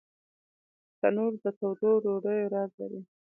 تنور د تودو ډوډیو راز لري